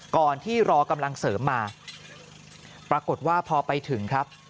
ก่อนที่รอกำลังเสริมมาปรากฏว่าพอไปถึงครับ